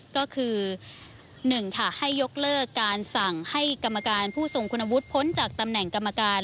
ก็คือ๑ค่ะให้ยกเลิกการสั่งให้กรรมการผู้ทรงคุณวุฒิพ้นจากตำแหน่งกรรมการ